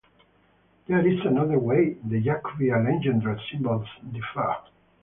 There is another way the Jacobi and Legendre symbols differ.